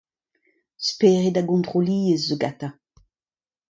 Spered a gontroliezh zo gantañ.